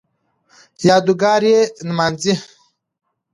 یادګار یې نمانځي